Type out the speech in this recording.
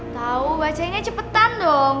tau bacainnya cepetan dong